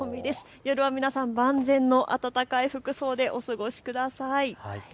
夜は万全の暖かい服装でお過ごしください。